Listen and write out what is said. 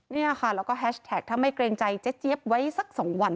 นี่ค่ะแล้วก็แฮชแท็กถ้าไม่เกรงใจเจ๊เจี๊ยบไว้สัก๒วัน